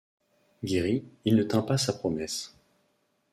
Guéri, il ne tint pas sa promesse.